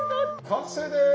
完成です！